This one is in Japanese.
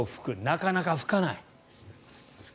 なかなか拭かない。